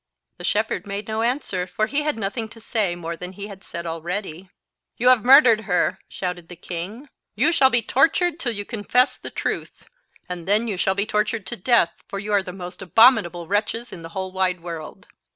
The shepherd made no answer, for he had nothing to say more than he had said already. "You have murdered her!" shouted the king. "You shall be tortured till you confess the truth; and then you shall be tortured to death, for you are the most abominable wretches in the whole wide world."